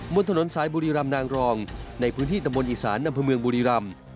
บนถนนสายบุรีรำนางรองในพื้นที่ตำบลอีสานอำเภอเมืองบุรีรำ